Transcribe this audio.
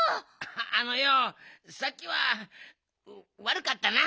あのようさっきはわるかったな。